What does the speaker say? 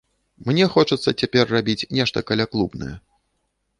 Мне хочацца цяпер рабіць нешта каляклубнае.